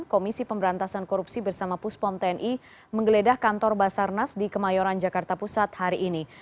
komisi pemberantasan korupsi bersama puspom tni menggeledah kantor basarnas di kemayoran jakarta pusat hari ini